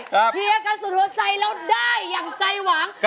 เชียร์กันสุดหัวใจแล้วได้อย่างใจหวัง